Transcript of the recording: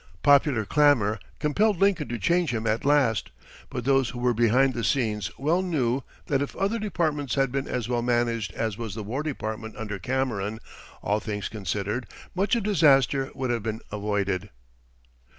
Popular clamor compelled Lincoln to change him at last, but those who were behind the scenes well knew that if other departments had been as well managed as was the War Department under Cameron, all things considered, much of disaster would have been avoided.